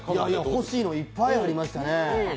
欲しいのいっぱいありましたね。